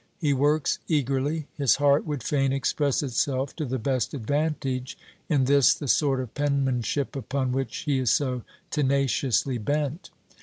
He works eagerly. His heart would fain express itself to the best advantage in this the sort of penmanship upon which he is so tenaciously bent.